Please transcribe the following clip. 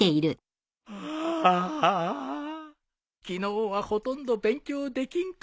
昨日はほとんど勉強できんかったのう